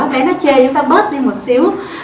bé nó chê chúng ta bớt đi một xíu